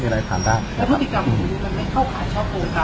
แล้วธุรกิจกรรมของคุณมันไม่เข้าขาดเช่าโครงกรรมที่